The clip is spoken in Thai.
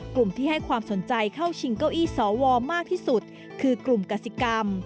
กลุ่มที่ให้ความสนใจเข้าชิงเก้าอี้สวมากที่สุดคือกลุ่มกสิกรรม